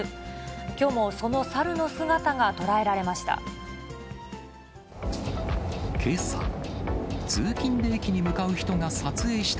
きょうもその猿の姿が捉えられました。